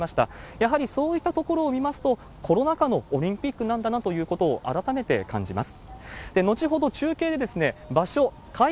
やはりそういったところを見ますと、コロナ禍のオリンピックなんだなということを改めて感じます。